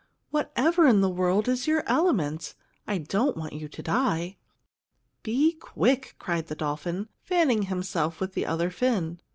Whatever in the world is your element? I don't want you to die!" "Be quick!" cried the dolphin, fanning himself with the other fin.